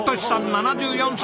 ７４歳。